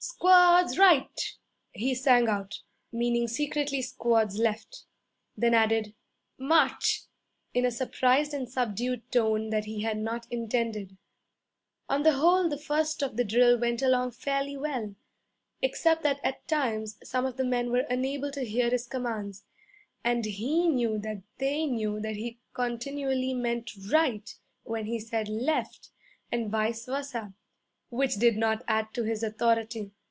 'Squads right!' he sang out (meaning secretly squads left); then added, 'March!' in a surprised and subdued tone that he had not intended. On the whole the first of the drill went along fairly well, except that at times some of the men were unable to hear his commands, and he knew that they knew that he continually meant right when he said left, and vice versa which did not add to his authority.